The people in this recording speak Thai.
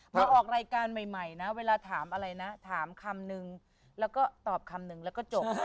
พอออกรายการใหม่นะเวลาถามอะไรนะถามคำนึงแล้วก็ตอบคำนึงแล้วก็จบ